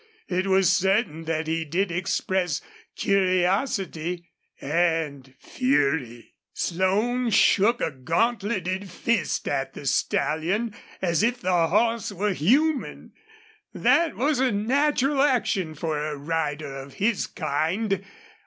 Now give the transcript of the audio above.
It was certain that he did express curiosity and fury. Slone shook a gantleted fist at the stallion, as if the horse were human. That was a natural action for a rider of his kind.